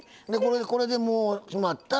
これでもう締まったら。